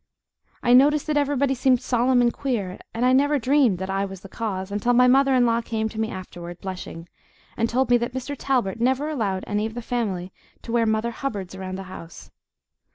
I noticed that everybody seemed solemn and queer, but I never dreamed that I was the cause until my mother in law came to me afterward, blushing, and told me that Mr. Talbert never allowed any of the family to wear Mother Hubbards around the house.